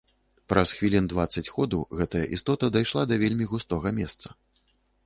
Праз хвілін дваццаць ходу гэтая істота дайшла да вельмі густога месца.